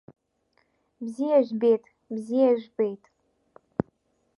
Бзиа жәбеит, бзиа жәбеит!